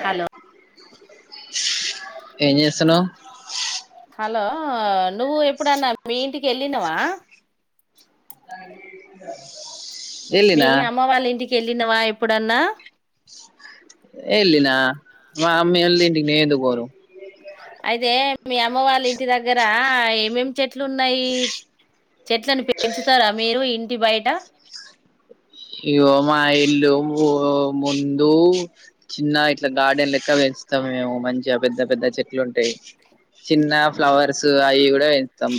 Hello ఏం చేస్తున్నావ్ hello ఆ నువ్వు ఎప్పుడన్నా మీ ఇంటికి వెళ్ళినవా మీ ఎల్లినా అమ్మ వాళ్ళ ఇంటికి కేళ్ళినవా ఎప్పుడన్నా ఎళ్ళిన మా అమ్మీ వాళ్ళ ఇంటికి నేను ఎందుకు పోను అయితే మీ అమ్మ వాళ్ళ ఇంటి దగ్గర ఏమేమి చెట్లు ఉన్నాయి చెట్లను పెంచుతారా మీరు ఇంటి బయట యో మా ఇల్లు ముందు చిన్న ఇట్లా గార్డెన్ లెక్క పెంచుతాం మేము మంచిగా పెద్ద పెద్ద చెట్లు ఉంటాయి చిన్న ఫ్లవర్స్ అవి కూడా పెంచుతాం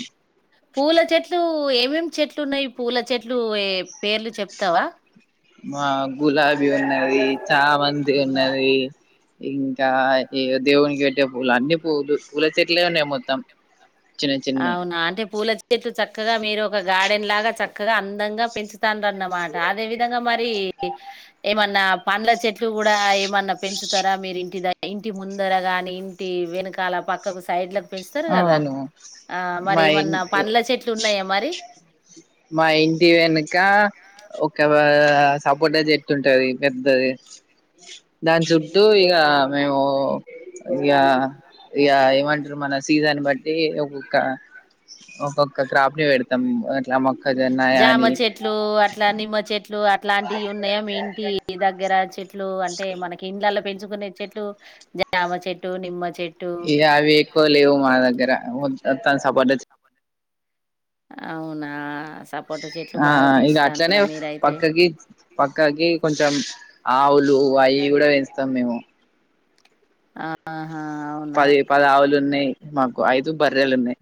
పూల చెట్లు ఏమేమి చెట్లు ఉన్నాయి పూల చెట్లు ఏ పేర్లు చెప్తావా మా గులాబీ ఉన్నది చామంతి ఉన్నది ఇంకా దేవునికి పెట్టే పూలు అన్ని పూలు పూల చెట్లే ఉన్నాయి మొత్తం చిన్న చిన్నవి అవునా అంటే పూల చెట్లు చ చక్కగా మీరు ఒక గార్డెన్ లాగా చక్కగా అందంగా పెంచుతాన్ దన్నమాట అదే విధంగా మరి ఏమన్నా పండ్ల చెట్లు కూడా ఏమన్నా పెంచుతారా మీరు ఇంటి ద ఇంటి ముందర గాని ఇంటి వెనకాల పక్కకు సైడ్ల కు పెంచుతారు కదా మై ఏమన్నా ఇ పండ్ల చెట్లు ఉన్నాయా మరి మ ఇంటి వెనుక ఒక క సపోటా చెట్టుంటది పెద్దది దాని చుట్టూ ఇక మేము ఇక ఇక ఏమంటారు మన సీజన్ బట్టి ఒక్కొక్క ఒక్కొక్క క్రాప్ ని పెడతాం అట్లా మొక్కజొన్న జామ అని చెట్లు అట్లా నిమ్మ చెట్లు అట్లాంటివి ఉన్నాయా మీ ఇంటి దగ్గర చెట్లు లు అంటే మనకి ఇండ్ల లా పెంచుకునే చెట్లు జామ చెట్టు నిమ్మ చెట్ ఏ అవి ఎక్కువ లేవు మా దగ్గర తను సపోటా చెట్ అవునా సపోటా చెట్లు ఆ బాగా ఇగ అట్లనే పెంచుతారా మీరైతే పక్కకి పక్కకి కొంచెం ఆవులు అవి కూడా పెంచుతాము మేము ఆ పది పది ఆవులు ఉన్నాయి్ మాకు ఐదు బర్రెలు ఉన్నాయి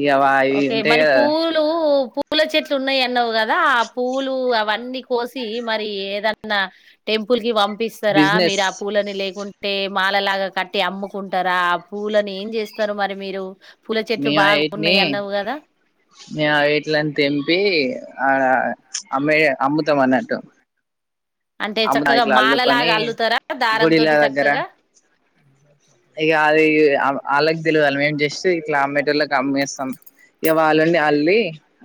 ఇగ వా అయి ఓకే ఉంటాయి మరి కదా పూలు పూల చెట్లు ఉన్నాయి అన్నవు కదా ఆ పూలు అవన్నీ కోసి మరి ఏదన్నా టెంపుల్ కి పంప్ పిస్తారా బిజినెస్ మీరు ఆ పూలని లేకుంటే మాలలాగా కట్టి అమ్ముకుంటారా ఆ పువ్వులను ఏం చేస్తారు మరి మీరు పూల చెట్లు బాగా ఉన్నాయిన్ నే ఆ వీట్లని తెంపి ఆ అమ్మేయే అమ్ముతం అన్నట్టు అంటే అమ్ముతా చక్కగా ఇట్లా అల్లుకొని మాలలాగా అల్లుతారా దారం గుడిల తోటి దగ్గర చక్కగా ఇక ఆది అలాగ తెలివాలి మేము జస్ట్ ఈ కలా మీటర్ల అమ్మేస్తాం ఇ వాళ్ళండి అల్లి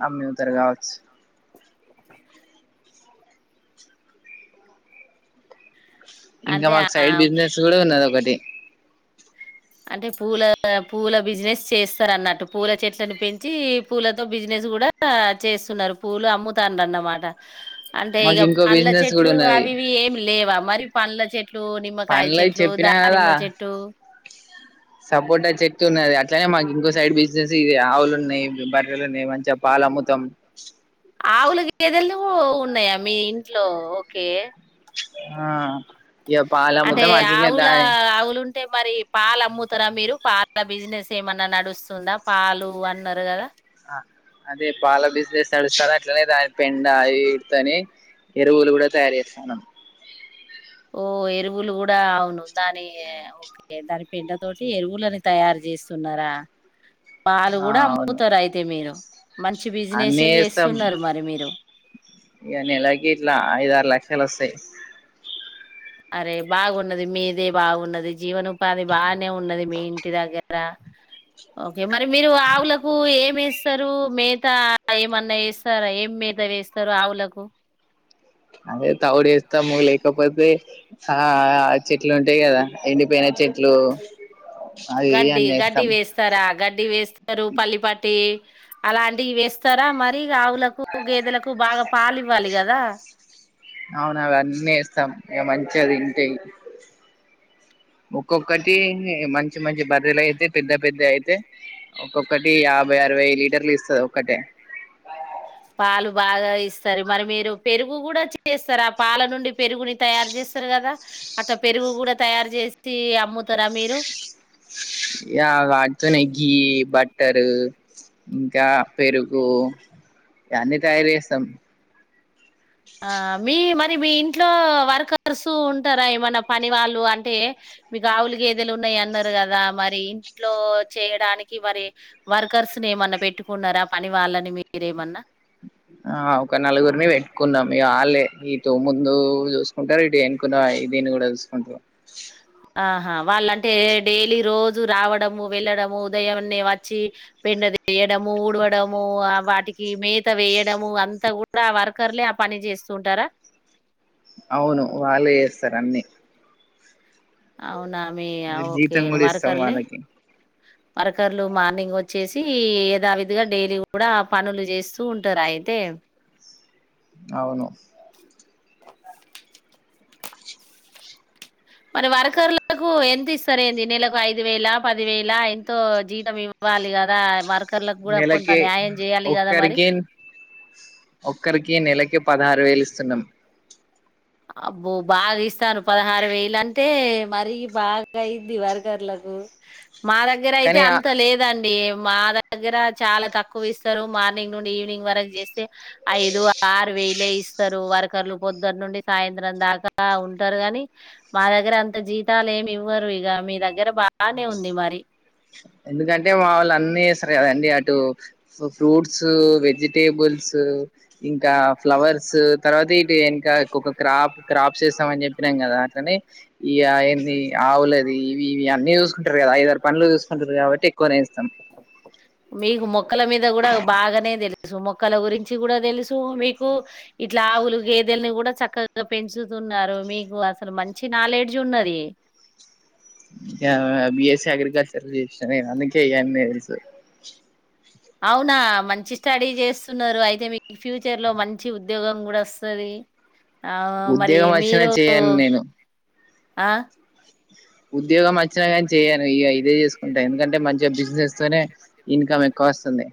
అమ్మితారు కావచ్చు ఇంకా అంటే మాకు ఆ సైడ్ బిజినెస్ కూడా ఉన్నది ఒకటి అంటే పూల పూల బిజినెస్ చేస్తారు అన్నట్టు పూల చెట్లను పెంచి పూలతో బిజినెస్ కూడా చేస్తున్నారు పూలు అమ్ముతానన్నమాట అంటే మాకు ఇక ఇంకో పండ్ల బిజినెస్ కూడా చెట్లు ఉన్నది అవివి ఏమి లేవా మరి పల్ల చె చెట్లు నిమ్కాయ పనులై చెట్లు దా చెప్పినా నిమ్ చెట్టు సపోర్ట్ అయి చెప్తున్నది అట్లనే మాకు ఇంకో సైడ్ బిజినెస్ ఇ ఆవులు ఉన్నాయి బర్రలు ఉన్నాయి మంచిగా పాలు అమ్ముతాం ఆవులు గదలు ఓ ఉన్నాయా మీ ఇంట్లో ఓకే ఆ ఇ పాల అమ్మతముద్ద మాట్ ఆవుల మీదా ఆవులుంటే అంటే మరి పాలు అమ్ముతారా మీరు పాల బిజినెస్ ఏమన్నా నడుస్తుందా పాలు అన్నారు కదా ఆ అదే బాల బిజినెస్ నడుస్తాారు అట్లానే పెండతోని ఎరువులు కూడా తయారు చేస్తాను ఓ ఎరువులు కూడా అవును దాని ఓకే దాని పెండ తోటి ఎరువులని తయారు చేస్తున్నారా పాలు కూడా అమ్ముతారు అయితే మీరు మంచి బిజినెసే అన్నీస్తాం చేస్తున్నారు మరి మీరు ఇ నెలాకి ఇట్లా ఐద ఆరు లక్షలు వస్త అ అరే బాగున్నది మీదే బాగున్నది జీవనం అది బాగానే ఉన్నది మెయిన్ ఇంటి దగ్గర ఓకే మరి మీరు ఆవులకు ఏం వేస్తారు మేత ఏమన్నా వేస్తారా ఏం మేత వేస్తారు ఆవులకు అదే తౌడు వేస్తాము లేకపోతే ఆ చెట్లు ఉంటాయి కదా ఎండిపోయిన చెట్లు అట్లు అవి అన్న ఇస్తాం ది వేస్ ఇారు పల్లిపాటి అలాంటివి వేస్తారా మర ఆవులకు గేదెలకు బాగా పాలు ఇవ్వాలి కదా అవునా అవ అన్నీ ఇస్తాం ఇక మంచి అది ఇంటేయి ఒక్కొక్కటి మంచి మంచి బర్రెలు అయితే పెద్ద పెద్ద అయితే ఒక్కొక్కటి యాభై అరవై లీటర్లు ఇస్తది ఒకక్కటే పాలు బాగా ఇస్తారు మరి మీరు పెరుగు కూడా చేస్తారా పాల నుండి పెరుగుని తయారు చేస్తారు కదా అట్లా పెరుగు కూడా తయారు చేసి అమ్ముతారా మీరు ఇక వాటితోనేె గ బట్టరు ఇంకా పెరుగు ఇవన్నీ తయారు చేస్తాం ఆ మీ మరి మీ ఇంట్లో వర్కర్స్ ఉంటారా ఏమన్నా పని వాళ్ళు అంటే మీకు ఆవులు గ ఏదెలు ఉన్నాయి అన్నారు కదా మరి ఇంట్లో చేయడానికి మరి వర్కర్స్ ని ఏమన్నా పెట్టుకున్నారా పని వాళ్ళని మీరేమన్నా ఆ ఒక నలుగురిని పెట్టుకున్నాం మీ ఆళ్ళే ఇ తో ముందు జూస్కుంటరు ఇటు ఎన్కున్న దీన్ని గూడా జూస్కుంట్రు. అ అ వాళ్ళంటే డేలీ రోజు రావడము వెళ్లడము ఉదయవన్నే వచ్చి పెన్ను తీయడము ఊడ్వడము ఆ వాటికి మేత వేయడము అంత గూడా అ వర్కర్లే ఆ పని జేస్తుంటారా. ఔను వాళ్ళు జేస్సరన్ని. అవ్ నామి ఇగ జీతం ఓకేన్ కూడా ఇస్తాం వర్కర్లే. వాళ్ళకి వర్కర్లు మార్నింగొచ్చేసి యధావిధిగా డైలీ గూడా ఆ పనులు జేస్తూ ఉంటరైతే. ఔను మరి వర్కర్లకు ఎంతిస్తారేంది నెలకు ఐదువేలా పదివేలా ఎంతో జీతమివ్వాలి గదా వర్క్. నెలకే ఒక్కరికీన్ ఒక్కరికే నెలకి పదారువేలిస్తున్నాం. అబ్బో బాగిస్తారు పదహారువేలంటే మరీ బాగైంది వర్కర్లకు. మా దగ్గరైతే కానీ అంత లేదన్. ఏ మా దగ్గర చాలా తక్కువిస్తరు మార్నింగ్ నుండి ఈవినింగ్ వరక్ జేస్. తె ఐదు ఆర్ వేల్. లె ఇస్తరు వర్కర్లు పొద్దన్నుండి. సాయంత్రం దాకా ఉంటరు గానీ మా దగ్గర అంత జీతాలేమివ్వరు ఇగ మీ దగ్గర బానే ఉంది మరి. ఎందుకంటే మావోళ్ళన్నీ జేస్. తర్ గదండి అటు ఫ ఫ్రూట్స్ వెజిటేబుల్స్ ఇంకా ఫ్లవర్స్. తర్వాత ఇటు యెన్క ఒక్కొక్కొ క్రాపు. క్రాప్ చేస్తమన్ జెప్పినాం గద అట్లనే. ఇయ అయన్నీ ఆవులది ఇవి ఇవి అన్నీ జూస్కుంటరు గదా ఐదార్ పన్లు జూస్. [unintelligible] కాబట్టి ఎక్కువనే ఇస్తాం. మీకు మొక్ మొక్కల మీద గూడా బాగనే దెలుసు మొ. మొక్కల గురించి గూడా దెలుసు మీకు ఇట్ల ఆవులు గేదెల్ని గూడా చక్కగా పెంచు తున్నారు మీకు అసలు మంచి నాలెడ్జున్నది. ఉమ్ యా బిఎస్సే అగ్రికల్చర్ జేష్న నేను అందుకె ఇయన్నీ దెల్స్. స ఔనా మంచి స్టడీ జేస్తున్నారు ఐతే మీక్ ఫ్యూచర్ లో మంచి ఉద్యోగం గూడొస్తది. ఉద్యోగమచ్చినా చెయ్యన్ నేను. అ ఉద్యోగమచ్చిన గాన్ చెయ్యను ఇగ ఇదే జేస్. స్కుంటా ఎందుకంటే మంచిగ బిజినెస్ తోనే ఇన్కమెక్. కాస్తుంది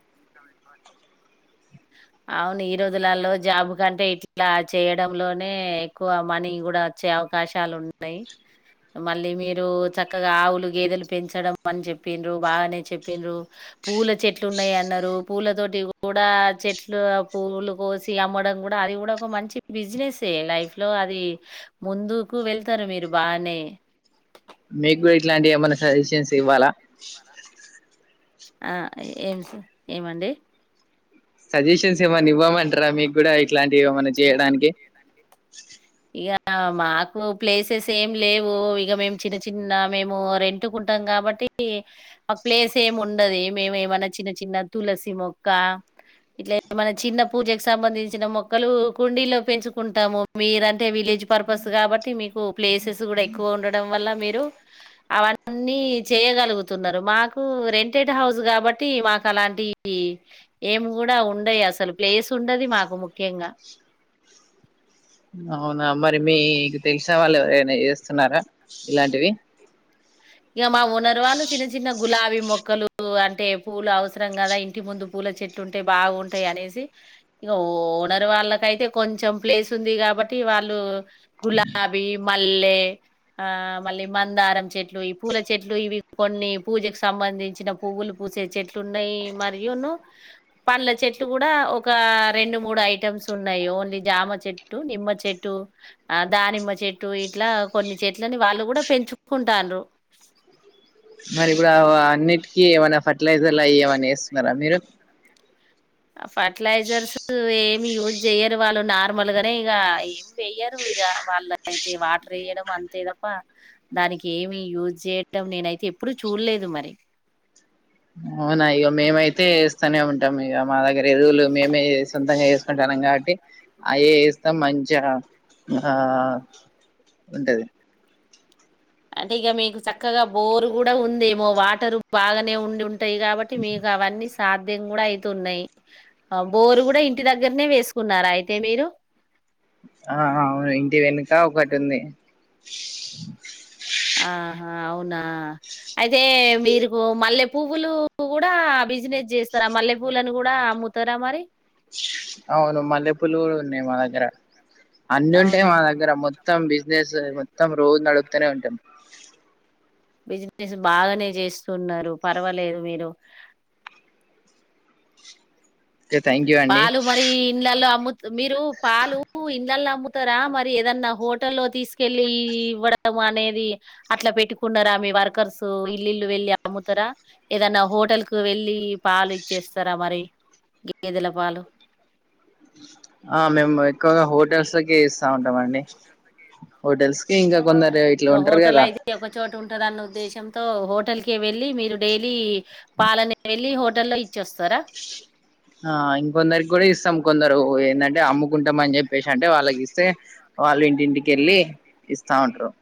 ఔను ఈ రోజులాల్లో జాబు కంటే ఇట్లా చేయడంలోనే ఎక్కువ మనీ గూడా అచ్చే అవకాశాలుంటాయ్ మళ్ళీ మీరు చక్కగా ఆవులు గేదెలు పెంచడం అన్ చెప్పిన్రు బాగాయనే చెప్పిన్రు పూల చెట్లున్నాయన్నరు పూలతోటి కూడా చెట్ల్. ట్లు పువ్వులు గోసి అమ్మడం గూడా అది గూడా ఒక మంచి బిజినెస్సే లైఫ్ లో అది ముందుకు వెళ్తరు మీరు బానే. మీగ్గూడిట్లాంటివేమైన్న సజెషన్సివ్వాలా. ఆ ఏం ఏమండి సజెషన్స్ ఏమన్నా ఇవ్వమంటారా మీకు కూడా ఇట్లాంటివి ఏమన్నా చేయడానికి ఇక మాకు ప్లేసెస్ ఏం లేవు ఇక మేము చిన్న చిన్న మేము రెంటుకుంటాం కాబట్టి ఒక ప్లేస్ ఏమి ఉండది మేము ఏమైన్నా చిన్న చిన్న తులసి మొక్క ఇట్లా ఏమ చిన్న పూజకు సంబంధించిన మొక్కలు కుండీలో పెంచుకుంటాము మీరు అంటే విలేజ్ పర్పస్ కాబట్టి మీకు ప్లేసెస్ కూడా ఎక్కువ ఉండడం వల్ల మీరు అవన్నీ చేయగలుగుతున్నారు మాకు రెంటెడ్ హౌస్ కాబట్టి మాకు అలాంటి ఏమి కూడా ఉండయి అసలు ప్లేస్ ఉండది మాకు ముఖ్యంగా అవునా మరి మీకు తెలిసా వాళ్ళు ఎవరైనా చేస్తున్నారా ఇలాంటివి ఇంక మా ఉనరువాళ్ళు చిన్న చిన్న గులాబీ మొక్కలు అంటే పూలు అవసరం కదా ఇంటి ముందు పూల చెట్లు ఉంటే బాగుంటాయి అనేసి ఇంక ఉనరువాళ్ళకైతే కొంచెం ప్లేస్ ఉంది కాబట్టి వాళ్ళు గులాబీ మల్లె ఆ మళ్ళీ మందారం చెట్లు పూల చెట్లు ఇవి కొన్ని పూజకు సంబంధించిన పువ్వులు పూసే చెట్లు ఉన్నాయి మరియు పండ్ల చెట్లు కూడా ఒక రెండు మూడు ఐటమ్స్ ఉన్నాయి ఓన్లీ జామ చెట్టు నిమ్మ చెట్టు ఆ దానిమ్మ చెట్టు ఇట్లా కొన్ని చెట్లని వాళ్ళు కూడా పెంచుకుంటారు మరి ఇప్పుడ అన్నిటికీ ఏమైనా ఫర్టిలైజర్ అ ఏమన్నా వేస్తున్నారా మీరు ఫర్టిలైజర్స్ ఏమి యూజ్ చెయ్యరు వాళ్ళు నార్మల్ గానే ఇక ఏమి వేయరు ఇక వాళ్ళు అయితే వాటర్ వేయడం అంతే తప్ప దానికి ఏమి యూజ్ చేయడం నేనైతే ఎప్పుడు చూడలేదు మరి అవునా ఇక మేమైతే వస్తూనే ఉంటాం ఇక మా దగ్గర ఎదువులు మేమే సొంతంగా చేసుకుంటాం కాబట్టి అయే వేస్తాం మంచిగా ఆ ఉంటది అంటే ఇక మీకు చక్కగా బోరు కూడా ఉందేమో వాటర్ బాగానే ఉండి ఉంట టాయి కాబట్టి మీకు అవన్నీ సాధ్యం కూడా అయితున్నాయి బోరు కూడా ఇంటి దగ్గరనే వేసుకున్నారా అయితే మీరు ఆ అవును ఇంటి వెనుక ఒక టుఉంది ఆహా అవునా అయితే మీరుకు మల్లె పువ్వులు కూడా బిజినెస్ చేస్తారా మల్లె పువ్వులుని కూడా అమ్ముతారా మరి అవును మల్లె పూలులు కుడా ఉన్నాయి మా దగారా అన్ని ఉంటాయి అవునా మా దగ్గర మొత్తం బ అదే సార్ మొత్తం రోజు నడుపుతూనే ఉంటాం బిజినెస్ బాగానే చేస్తుూన్నారు పర్వాలేదు మీరు ఓకే థ్యాంక్ యూ అండి పాలు మరి ఇళ్లలో అమ్ము మీరు పాలు ఇన్నల అమ్ముతారా మరి ఏదన్నా హోటల్ తీసుకెళ్ళలి ఇవ్వడం అనేది అట్లా పెట్టుకున్నారా మీ వర్కర్స్ ఇల్లు ఇల్లు వెళ్ళి అమ్ముతారా ఏదన్నా హోటల్ కు వెళ్ళి పాలు ఇచ్చేస్తారా మరి గదుల పాలు ఆ మేము ఎక్కువగా హోటల్స్కి ఇస్తా ఉంటాం అండి హోటల్స్ కి ఇంకా కొందరు ఇట్లా ఉంటారు హోటల్ కదా అయితే ఒక చోట ఉంటంది అన్న ఉద్దేశంతో హోటల్క వెళ్ళి మీరు డైలీ పాలని వెళ్ళి హోటల్లో ఇచ్చ వస్తారా ఆ ఇంకొందరికి కూడా ఇస్తాం కొందరు ఏంటంటే అమ్ముకుంటాం అని చెప్పేసి అంటే వాళ్ళకి ఇస్తే వాళ్ళు ఇ ఇంటికి వెళ్ళి ఇస్తా ఉంట్రారు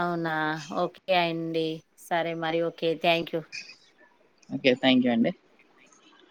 అవునా ఓకే అయిండి సరే మరి okay thank you okay thank you అండి